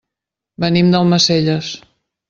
Venim d'Almacelles.